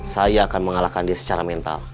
saya akan mengalahkan dia secara mental